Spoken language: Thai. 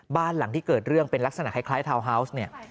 บ้านหลังที่เกิดเรื่องเป็นลักษณะคล้ายทาวน์ฮาวส์เนี่ย